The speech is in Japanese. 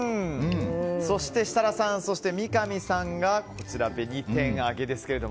そして、設楽さん三上さんが紅天揚げですが。